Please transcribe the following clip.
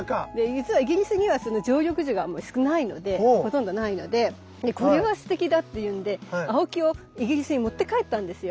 じつはイギリスには常緑樹が少ないのでほとんどないので「これはすてきだ」っていうんでアオキをイギリスに持って帰ったんですよ。